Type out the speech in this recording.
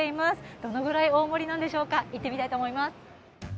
どのぐらい大盛りなんでしょうか行ってみたいと思います。